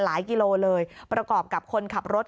กิโลเลยประกอบกับคนขับรถ